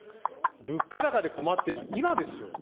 物価高で困っているのは今ですよ。